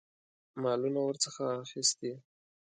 مالونه ورڅخه اخیستي.